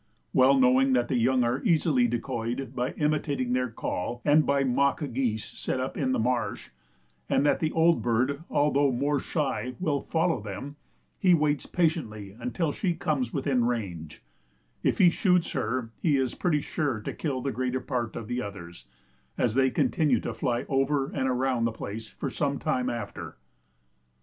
Well knowing that the young are easily decoyed by imitating their call and by mock geese set up in the marsh, and that the old bird, although more shy, will follow them, he waits patiently until she comes within range; if he shoots her he is pretty sure to kill the greater part of the others, as they continue to fly over and around the place for some time after.